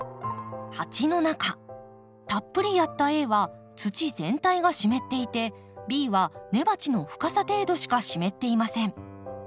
鉢の中たっぷりやったＡは土全体が湿っていてＢは根鉢の深さ程度しか湿っていません。